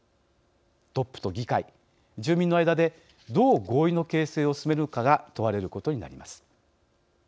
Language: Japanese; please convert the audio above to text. トップと議会、住民の間でどう合意の形成を進めるのかが問われることになります。